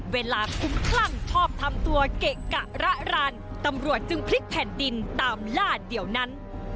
เวลาคุ้มคลั่งชอบทำตัวเกะกะระรานตำรวจจึงพลิกแผ่นดินตามล่าเดี๋ยวนั้น